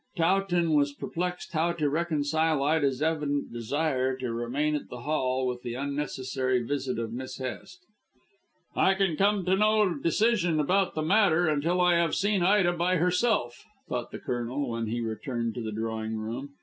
Towton was perplexed how to reconcile Ida's evident desire to remain at the Hall with the unnecessary visit of Miss Hest. "I can come to no decision about the matter until I have seen Ida by herself," thought the Colonel when he returned to the drawing room.